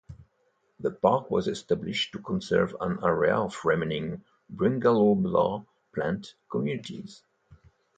The park was established to conserve an area of remaining brigalow-belah plant communities.